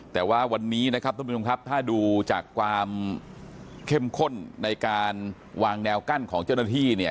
แต่ว่าวันนี้นะครับท่านผู้ชมครับถ้าดูจากความเข้มข้นในการวางแนวกั้นของเจ้าหน้าที่เนี่ย